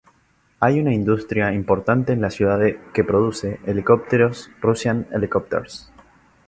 Hay una industria importante en la ciudad que produce helicópteros Russian Helicopters.